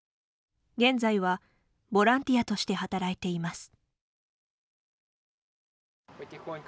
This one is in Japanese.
現在は、ボランティアとして働いています。